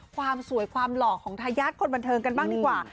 ความสวยความหล่อของทายาทคนบันเทิงกันบ้างดีกว่า